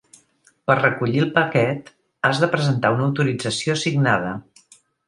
Per recollir el paquet has de presentar una autorització signada.